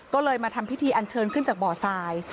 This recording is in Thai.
ก็เลยมาทำพิธีอันเชิญขึ้นจากบ่อทราย